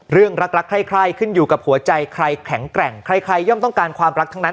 รักรักใคร่ขึ้นอยู่กับหัวใจใครแข็งแกร่งใครย่อมต้องการความรักทั้งนั้น